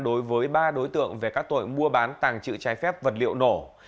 đối với ba đối tượng về các tội mua bán tàng trự trái phép vật liệu nổ